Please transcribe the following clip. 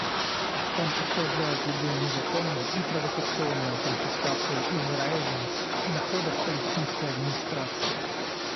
Он осуждает любую незаконную и провокационную конфискацию Израилем доходов Палестинской администрации.